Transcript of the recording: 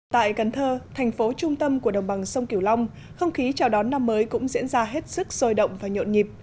tại cần thơ thành phố trung tâm của đồng bằng sông kiểu long không khí chào đón năm mới cũng diễn ra hết sức sôi động và nhộn nhịp